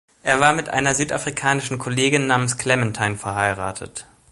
Er war mit einer südafrikanischen Kollegin namens Clementine verheiratet.